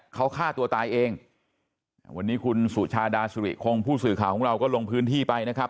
เขาฆ่าตัวตายเองวันนี้คุณสุชาดาสุริคงผู้สื่อข่าวของเราก็ลงพื้นที่ไปนะครับ